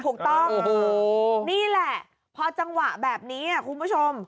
ถูกต้องนี่แหละพอจังหวะแบบนี้คุณผู้ชม